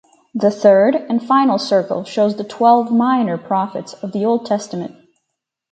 The third and final circle shows the twelve minor prophets of the Old Testament.